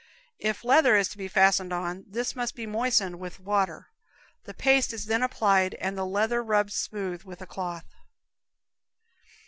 If leather is to be fastened on, this must first be moistened with water. The paste is then applied, and the leather rubbed smooth with a cloth.